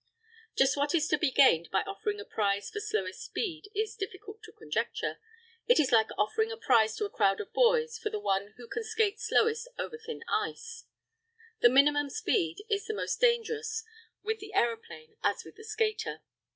Just what is to be gained by offering a prize for slowest speed is difficult to conjecture. It is like offering a prize to a crowd of boys for the one who can skate slowest over thin ice. The minimum speed is the most dangerous with the aeroplane as with the skater.